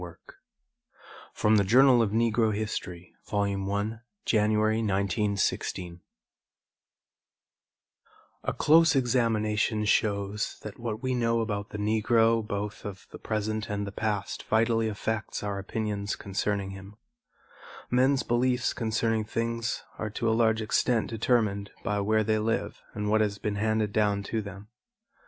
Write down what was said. Richards. THE PASSING TRADITION AND THE AFRICAN CIVILIZATION A close examination shows that what we know about the Negro both of the present and the past vitally affects our opinions concerning him. Men's beliefs concerning things are to a large extent determined by where they live and what has been handed down to them.